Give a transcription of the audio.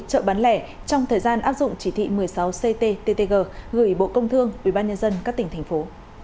chợ bán lẻ trong thời gian áp dụng chỉ thị một mươi sáu cttg gửi bộ công thương ubnd các tỉnh thành phố